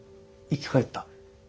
生き返った？